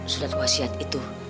surat wasiat itu